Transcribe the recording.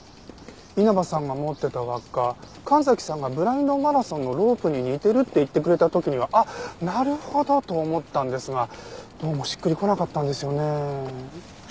稲葉さんが持ってた輪っか神崎さんがブラインドマラソンのロープに似てるって言ってくれた時にはあっなるほど！と思ったんですがどうもしっくりこなかったんですよねえ。